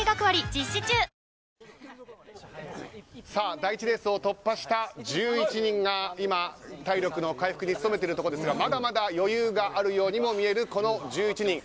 第１レースを突破した１１人が今、体力の回復に努めているところですがまだまだ余裕があるようにも見えるこの１１人。